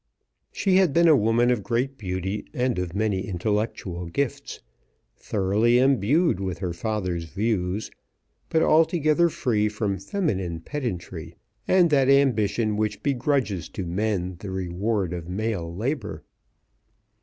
She had been a woman of great beauty and of many intellectual gifts, thoroughly imbued with her father's views, but altogether free from feminine pedantry and that ambition which begrudges to men the rewards of male labour.